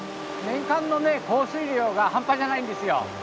年間の降水量が半端じゃないんですよ。